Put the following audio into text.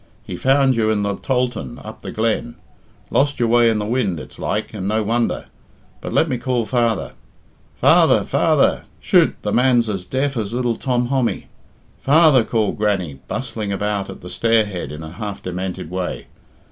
He found you in the tholthan up the glen. Lost your way in the wind, it's like, and no wonder. But let me call father. Father! father! Chut! the man's as deaf as little Tom Hommy. Father!" called Grannie, bustling about at the stair head in a half demented way.